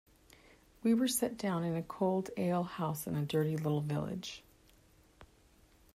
We were set down in a cold ale-house in a dirty little village.